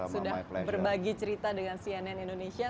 sudah berbagi cerita dengan cnn indonesia